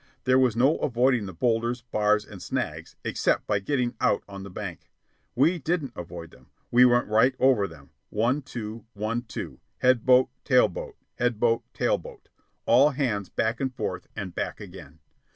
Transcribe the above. There was no avoiding the boulders, bars, and snags except by getting out on the bank. We didn't avoid them. We went right over them, one, two, one, two, head boat, tail boat, head boat, tail boat, all hands back and forth and back again.